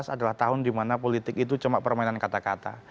dua ribu delapan belas adalah tahun di mana politik itu cuma permainan kata kata